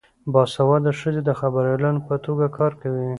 باسواده ښځې د خبریالانو په توګه کار کوي.